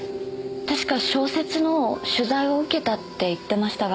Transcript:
確か小説の取材を受けたって言ってましたが。